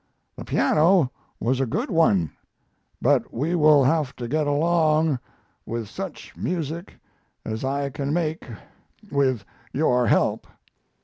The piano was a good one, but we will have to get along with such music as I can make with your help.